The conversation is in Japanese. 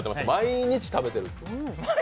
毎日、食べてると。